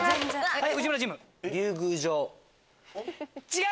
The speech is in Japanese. はい。